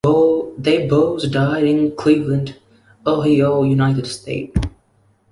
They both died in Cleveland, Ohio, United States.